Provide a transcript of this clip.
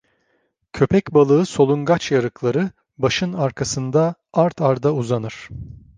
Köpek balığı solungaç yarıkları başın arkasında art arda uzanır.